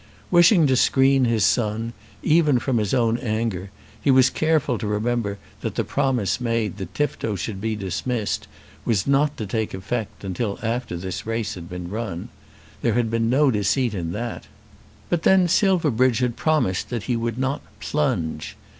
Wishing to screen his son, even from his own anger, he was careful to remember that the promise made that Tifto should be dismissed, was not to take effect till after this race had been run. There had been no deceit in that. But then Silverbridge had promised that he would not "plunge."